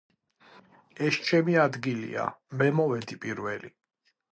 ეს ჩემი ადგილია მე მოვედი პირველი